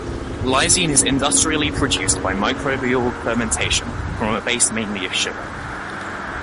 Lysine is industrially produced by microbial fermentation, from a base mainly of sugar.